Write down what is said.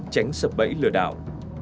tránh sập bẫy lừa đảo